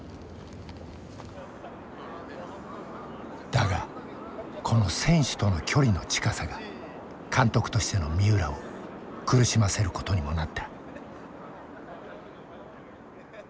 だがこの選手との距離の近さが監督としての三浦を苦しませることにもなった。